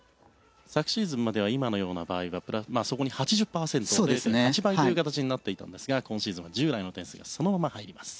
昨シーズンまでは今のような場合はそこに８０％という形になっていたんですが今シーズンは従来の点数がそのまま入ります。